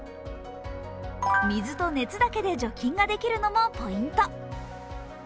水と熱だけで除菌ができるのもポイント。